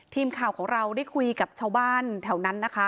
ทีมข่าวของเราได้คุยกับชาวบ้านแถวนั้นนะคะ